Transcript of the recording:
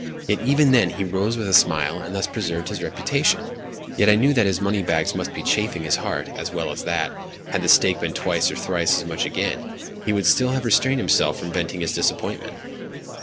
Yet even then he rose with a smile, and thus preserved his reputation; yet I knew that his money bags must be chafing his heart, as well as that, had the stake been twice or thrice as much again, he would still have restrained himself from venting his disappointment.